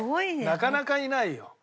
なかなかいないよ。